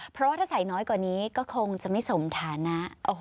เพราะว่าถ้าใส่น้อยกว่านี้ก็คงจะไม่สมฐานะ